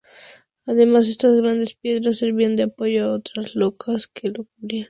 Además, estas grandes piedras servían de apoyo a otras losas que lo cubrían.